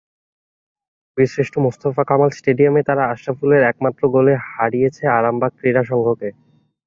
বীরশ্রেষ্ঠ মোস্তফা কামাল স্টেডিয়ামে তারা আশরাফুলের একমাত্র গোলে হারিয়েছে আরামবাগ ক্রীড়া সংঘকে।